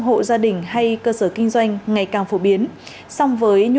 hộ gia đình hay cơ sở kinh doanh ngày càng phổ biến